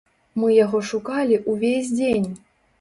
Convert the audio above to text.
Мы яго шукалі увесь дзень.